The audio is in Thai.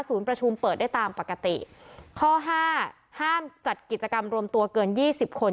ประชุมเปิดได้ตามปกติข้อห้าห้ามจัดกิจกรรมรวมตัวเกินยี่สิบคน